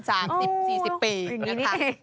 สามสิบสี่สิบปี